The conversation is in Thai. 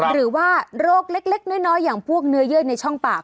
หรือว่าโรคเล็กน้อยอย่างพวกเนื้อเยื่อยในช่องปาก